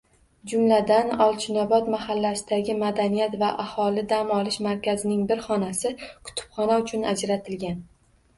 Jumladan, “Olchinobod” mahallasidagi Madaniyat va aholi dam olish markazining bir xonasi kutubxona uchun ajratilgan